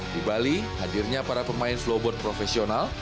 di bali hadirnya para pemain flowboard profesional